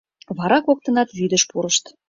Вара коктынат вӱдыш пурышт.